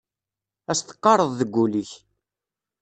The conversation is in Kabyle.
Ad s-teqqareḍ deg ul-ik.